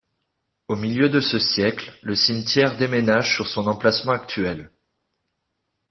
Au milieu de ce siècle, le cimetière déménage sur son emplacement actuel.